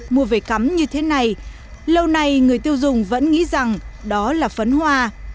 mua về cắm như thế này lâu nay người tiêu dùng vẫn nghĩ rằng đó là phấn hoa